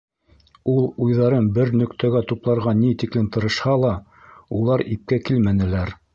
Ул уйҙарын бер нөктәгә тупларға ни тиклем тырышһа ла, улар ипкә килмәнеләр.